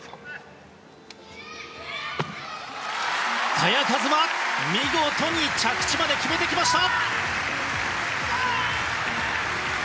萱和磨、見事に着地まで決めてきました。